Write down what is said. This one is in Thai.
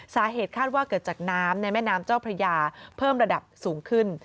สาเหตุคาดว่าเกิดจากน้ำในแม่น้ำเจ้าพระยาเพิ่มระดับสูงขึ้น